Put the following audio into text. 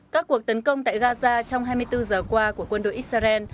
các cuộc tấn công tại gaza trong hai mươi bốn giờ qua của quân đội israel